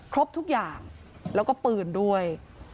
ครบทุกอย่างแล้วก็ปืนด้วย